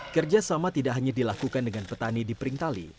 kerja sama tidak hanya dilakukan dengan petani di pering tali